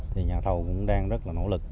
thì nhà thầu cũng đang rất là nỗ lực